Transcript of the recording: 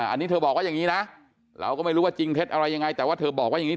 อันนี้เธอบอกว่าอย่างนี้นะเราก็ไม่รู้ว่าจริงเท็จอะไรยังไงแต่ว่าเธอบอกว่าอย่างนี้